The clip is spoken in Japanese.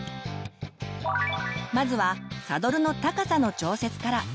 まずはサドルの高さの調節から。